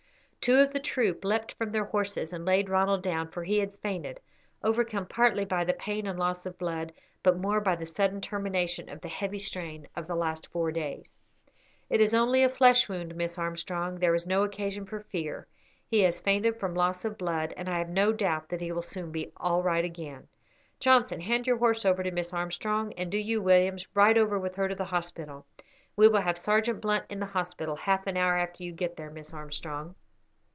Two of the troop leapt from their horses and laid Ronald down, for he had fainted, overcome partly by the pain and loss of blood, but more by the sudden termination of the heavy strain of the last four days. "It is only a flesh wound, Miss Armstrong. There is no occasion for fear. He has fainted from loss of blood, and I have no doubt but he will soon be all right again. Johnson, hand your horse over to Miss Armstrong, and do you, Williams, ride over with her to the hospital. We will have Sergeant Blunt in the hospital half an hour after you get there, Miss Armstrong."